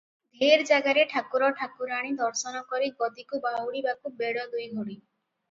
ଢେର ଜାଗାରେ ଠାକୁର ଠାକୁରାଣୀ ଦର୍ଶନ କରି ଗଦିକୁ ବାହୁଡିବାକୁ ବେଳ ଦୁଇ ଘଡ଼ି ।